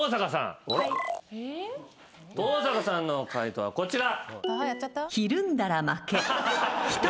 登坂さんの解答はこちら。